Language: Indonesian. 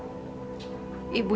aku harus pergi ibu